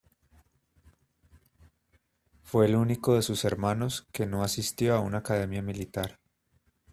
Fue el único de sus hermanos que no asistió a una academia militar.